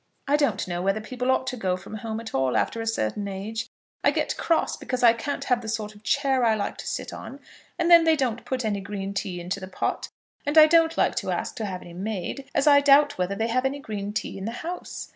I don't know whether people ought to go from home at all after a certain age. I get cross because I can't have the sort of chair I like to sit on; and then they don't put any green tea into the pot, and I don't like to ask to have any made, as I doubt whether they have any green tea in the house.